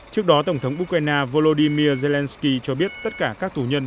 trước đó tổng thống ukraine volodymyr zelensky cho biết tất cả các tù nhân